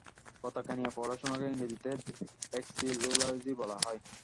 পতাকা নিয়ে পড়াশোনাকে ইংরেজিতে ভেক্সিলোলোজি বলা হয়।